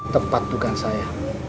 tepat bukan saya